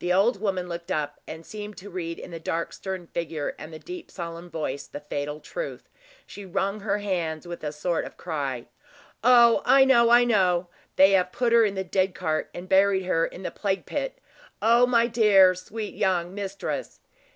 The old woman looked up, and seemed to read in the dark, stern figure, and the deep solemn voice, the fatal truth. She wrung her hands with a sort of cry. "Oh! I know, I know; they have put her in the dead cart, and buried her in the plague pit. O my dear, sweet young mistress."